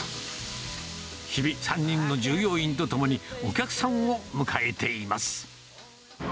日々、３人の従業員と共に、お客さんを迎えています。